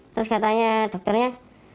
terus katanya dokternya